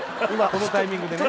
このタイミングでね